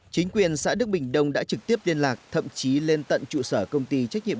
chính quyền xã đức bình đông đã trực tiếp liên lạc thậm chí lên tận trụ sở công ty trách nhiệm